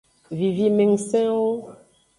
Vivimengusenwo.